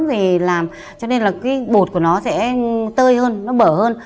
vì làm cho nên là cái bột của nó sẽ tơi hơn nó bở hơn